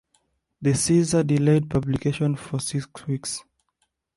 The seizure delayed publication for six weeks.